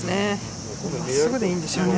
真っすぐでいいんですよね